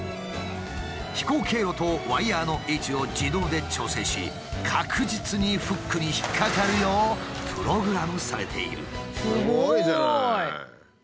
飛行経路とワイヤーの位置を自動で調整し確実にフックに引っ掛かるようプログラムされている。